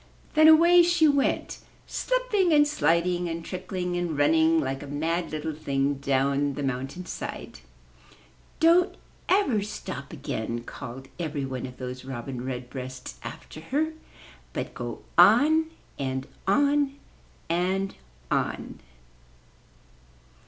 Then away she went slipping, and sliding, and trickling, and running like a mad little thing down the mountain side. "Don't ever stop again,'' called every one of those Robin Redbreasts after her, ''but go on — and on — and on!"